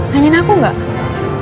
nanyain aku gak